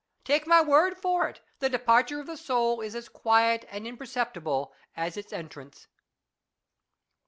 Take my word for it, the departure of the soul is as quiet and imperceptible as its entrance.